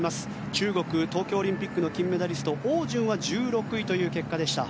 中国、東京オリンピックの金メダリスト、オウ・ジュンは１６位という結果でした。